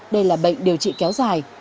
đây là bệnh điều trị kéo dài